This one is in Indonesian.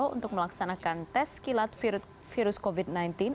untuk melaksanakan tes kilat virus covid sembilan belas